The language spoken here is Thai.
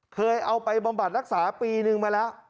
เคยเอาไปบำบัดรักษาปีนึงมาแล้ว